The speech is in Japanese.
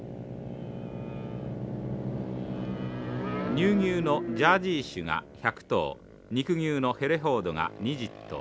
乳牛のジャージー種が１００頭肉牛のヘレフォードが２０頭。